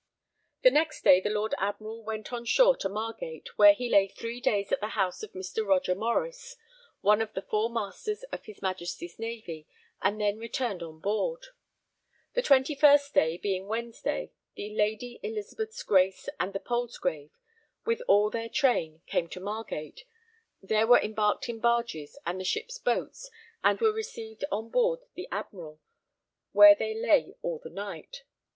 The next day the Lord Admiral went on shore to Margate, where he lay 3 days at the house of Mr. Roger Morice, one of the 4 Masters of His Majesty's Navy, and then returned on board. The 21st day, being Wednesday, [the] Lady Elizabeth's Grace [and] the Palsgrave, with all their train, came to Margate; there were embarked in barges and the ships' boats, and were received on board the Admiral, where they lay all the night.